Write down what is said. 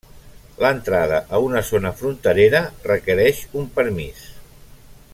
L'entrada a una zona fronterera requereix un permís.